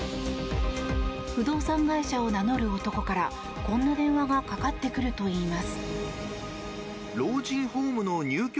不動産会社を名乗る男からこんな電話がかかってくるといいます。